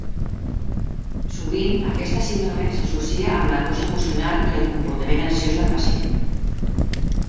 Sovint, aquesta síndrome s'associa amb l'angoixa emocional i el comportament ansiós del pacient.